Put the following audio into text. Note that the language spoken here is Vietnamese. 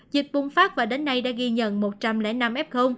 dịch bùng phát và đến nay đã ghi nhận một trăm linh năm f